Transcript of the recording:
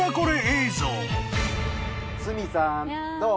鷲見さんどう？